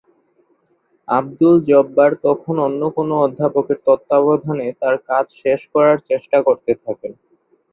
আবদুল জব্বার তখন অন্য কোনো অধ্যাপকের তত্ত্বাবধানে তার কাজ শেষ করার চেষ্টা করতে থাকেন।